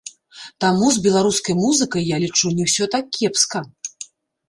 Таму з беларускай музыкай, я лічу, не ўсё так кепска.